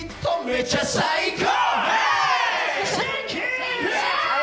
めちゃ最高！